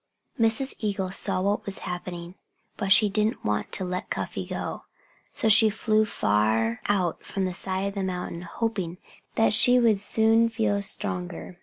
Mrs. Eagle saw what was happening. But she didn't want to let Cuffy go. So she flew far out from the side of the mountain, hoping that she would soon feel stronger.